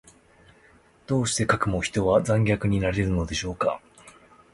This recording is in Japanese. どうしてかくも人は残虐になれるのでしょうか。